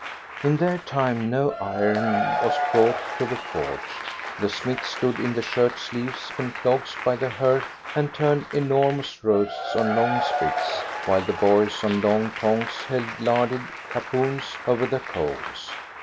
In their time no iron was brought to the forge, the smiths stood in shirt sleeves and clogs by the hearth and turned enormous roasts on long spits, while the boys on long tongs held larded capons over the coals.